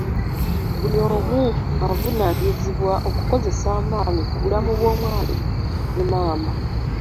Buli omu avunaanyizibwa okukozesa amaanyi ku bulamu bw'omwana ne maama.